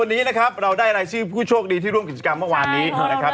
วันนี้นะครับเราได้รายชื่อผู้โชคดีที่ร่วมกิจกรรมเมื่อวานนี้นะครับ